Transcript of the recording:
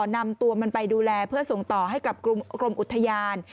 นำตัวมันไปดูแลเพื่อส่งต่อให้กับกรมอุทยาน